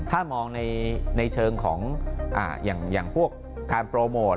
ถ้ามองในเชิงของอย่างพวกการโปรโมท